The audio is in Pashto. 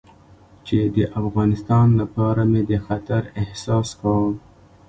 چې د افغانستان لپاره مې د خطر احساس کاوه.